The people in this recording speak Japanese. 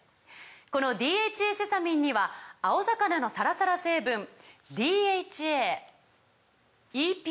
この「ＤＨＡセサミン」には青魚のサラサラ成分ＤＨＡＥＰＡ